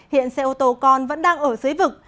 hiện xe ô tô còn vẫn đang ở dưới vực